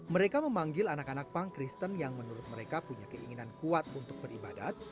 mereka memanggil anak anak punk kristen yang menurut mereka punya keinginan kuat untuk beribadat